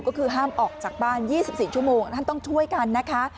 ก็คือห้ามออกจากบ้าน๒๔ชั่วโมงท่านต้องช่วยกันนะคะ